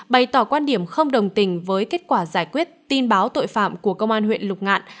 bày tỏ quan điểm không đồng tình với kết quả giải quyết tin báo tội phạm của công an huyện lục ngạn